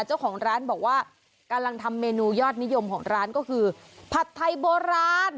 เจ้าของร้านบอกว่ากำลังทำเมนูยอดนิยมของร้านก็คือผัดไทยโบราณ